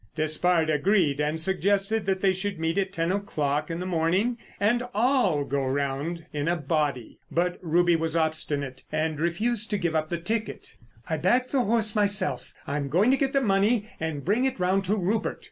Despard agreed and suggested that they should meet at ten o'clock in the morning and all go round in a body. But Ruby was obstinate and refused to give up the ticket. "I backed the horse myself. I am going to get the money and bring it round to Rupert!"